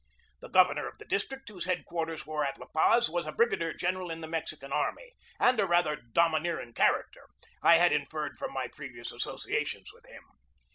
The governor of the district, whose head quarters were at La Paz, was a brigadier general in the Mex ican army, and a rather domineering character, I had inferred from my previous associations with him.